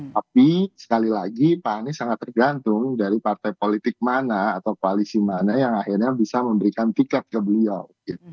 tapi sekali lagi pak anies sangat tergantung dari partai politik mana atau koalisi mana yang akhirnya bisa memberikan tiket ke beliau